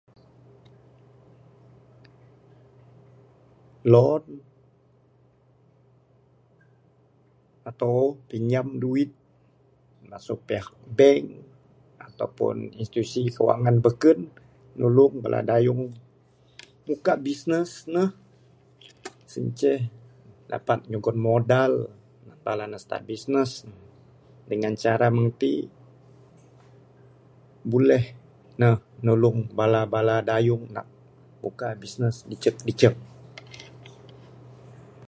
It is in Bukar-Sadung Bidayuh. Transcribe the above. Loan ato pinjam duit masu pihak bank ato pun institusi cawangan beken nulung bala dayung muka'k bisnes neh, sien inceh dapat nyugon modal bala ne start bisnes dangan cara meng ti, buleh neh nulung bala bala dayung nak muka'k bisnes icek icek.